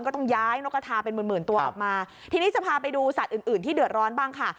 ก็ต้องย้ายนกกระทาเป็นหมื่นหมื่นตัวออกมาทีนี้จะพาไปดูสัตว์อื่นอื่นที่เดือดร้อนบ้างค่ะ